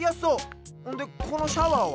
ほんでこのシャワーは？